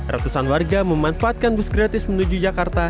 ratusan warga memanfaatkan bus gratis menuju jakarta